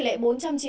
về lệch cấm nhập cư